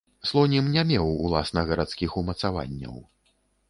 Слонім не меў уласна гарадскіх умацаванняў.